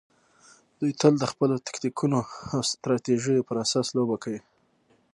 دوی تل د خپلو تکتیکونو او استراتیژیو پر اساس لوبه کوي.